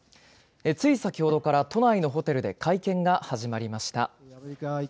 つい先ほどから都内のホテルで会見が始まりました。